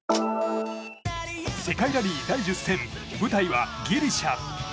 世界ラリー第１０戦舞台はギリシャ。